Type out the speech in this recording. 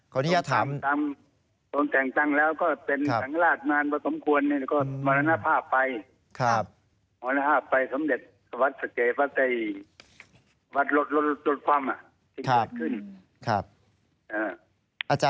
ขออนุญาตถาม